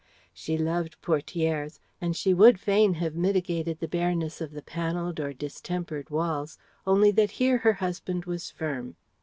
She loved portières, and she would fain have mitigated the bareness of the panelled or distempered walls; only that here her husband was firm.